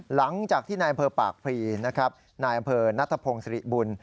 หลังจากที่นายอำเภอปากพรีนะครับนายอำเภอนัทพงศิริบุญ